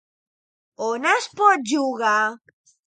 On es pot jugar?